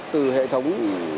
từ hệ thống